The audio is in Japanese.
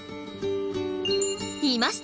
いました！